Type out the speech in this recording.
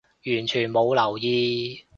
完全冇留意